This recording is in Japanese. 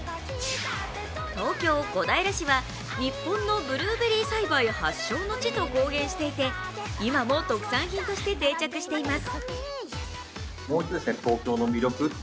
東京・小平市は日本のブルーベリー栽培発祥の地と公言していて今も特産品として定着しています。